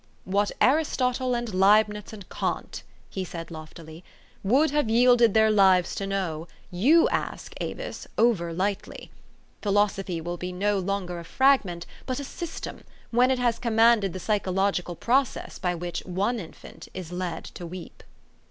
"What Aristotle and Leibnitz and Kant," he said loftily, " would have yielded their lives to know, you ask, Avis, over lightly. Philosophy will be no longer a fragment, but a system, when it has com manded the psychological process by which one infant is led to weep."